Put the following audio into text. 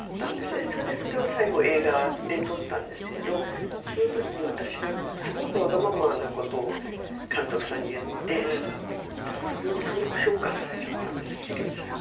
それでそれを最後映画で撮ったんですけどそのときに私がすごくわがままなことを監督さんに言ってそれをすごく評価されちゃったんですよ希林さんに。